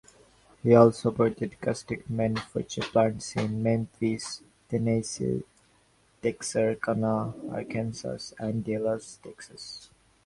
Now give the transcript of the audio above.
He also operated casket manufacturing plants in Memphis, Tennessee; Texarkana, Arkansas; and Dallas, Texas.